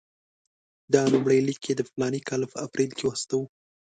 دا لومړی لیک یې د فلاني کال په اپرېل کې واستاوه.